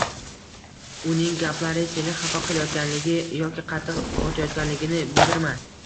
- Uning gaplari seni xafa qilayotganligi yoki qattiq botayotganligini bildirma.